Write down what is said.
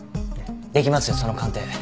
できますよその鑑定。